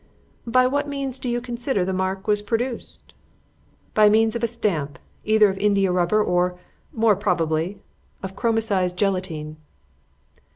"By what means do you consider that the mark was produced?" "By means of a stamp, either of indiarubber or, more probably, of chromicized gelatine."